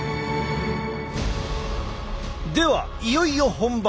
ではいよいよ本番。